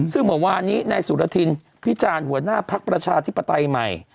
ซึ่งเมื่อวานนี้นายสุรทินพิจารณ์หัวหน้าภักดิ์ประชาธิปไตยใหม่